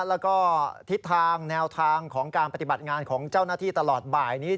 แล้วก็ทิศทางแนวทางของการปฏิบัติงานของเจ้าหน้าที่ตลอดบ่ายนี้